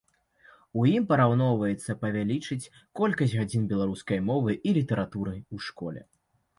У ім прапаноўваецца павялічыць колькасць гадзін беларускай мовы і літаратуры ў школе.